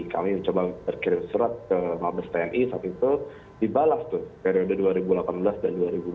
kami coba berkirim surat ke mabes tni saat itu dibalas tuh periode dua ribu delapan belas dan dua ribu dua puluh